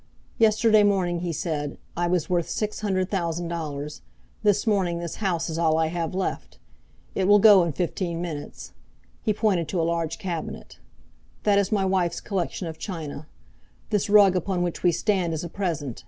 "Yesterday morning," he said, "I was worth six hundred thousand dollars. This morning this house is all I have left. It will go in fifteen minutes. He pointed to a large cabinet. "That is my wife's collection of china. This rug upon which we stand is a present.